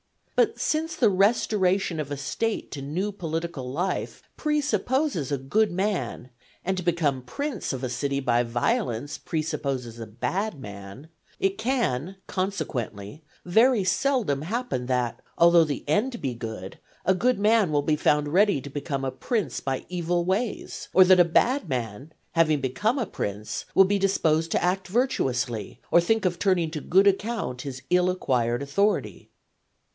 But since the restoration of a State to new political life presupposes a good man, and to become prince of a city by violence presupposes a bad man, it can, consequently, very seldom happen that, although the end be good, a good man will be found ready to become a prince by evil ways, or that a bad man having become a prince will be disposed to act virtuously, or think of turning to good account his ill acquired authority.